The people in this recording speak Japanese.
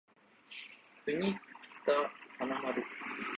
国木田花丸